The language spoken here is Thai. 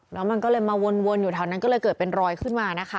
แล้วมันก็เลยมาวนอยู่แถวนั้นก็เลยเกิดเป็นรอยขึ้นมานะคะ